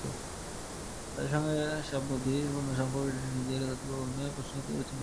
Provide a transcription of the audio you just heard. তাঁদের সঙ্গে সম্প্রীতি পূর্ণ সম্পর্ক রেখে নিজের দাতব্য কর্মকাণ্ডকে প্রশ্নবিদ্ধ করছেন মেসি।